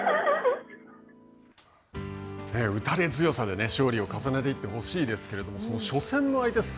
打たれ強さで勝利を重ねていってほしいですけどその初戦の相手